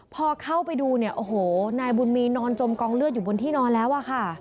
พอเข้าไปดูนายบุญมีน์นอนจมกองเลือดอยู่บนที่นอนแล้ว